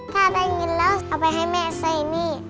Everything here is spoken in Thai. ถ้าได้เงินแล้วเอาไปให้แม่ใส่หนี้